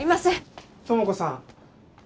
友子さん。